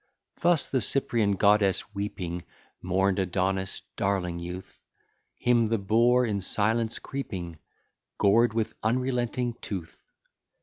Thus the Cyprian goddess weeping Mourn'd Adonis, darling youth; Him the boar, in silence creeping, Gored with unrelenting tooth.